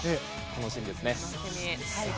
楽しみですね。